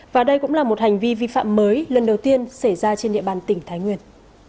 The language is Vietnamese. và đây cũng là một hành vi vi phạm mới lần đầu tiên xảy ra trên địa bàn tỉnh thái nguyên